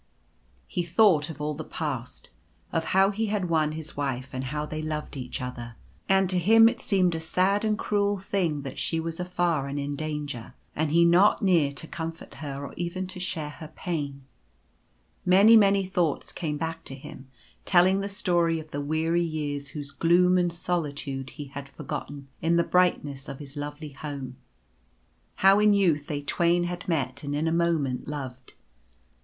lie thought of all the past— of how he had won his Wife and how they loved each other ; and to him it seemed a sad and cruel thing that she was afar and in danger, and he not near to comfort her or even to share her pain. Many many thoughts came back to him, telling the story of the weary years whose gloom and solitude he had forgotten in the brightness of his lovely home. — How in youth they twain had met and jn a moment loved.